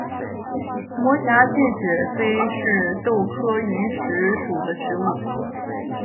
膜荚见血飞是豆科云实属的植物。